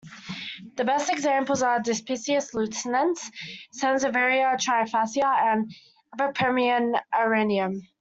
The best examples are: "Dypsis lutescens", "Sansevieria trifasciata", and "Epipremnum aureum"..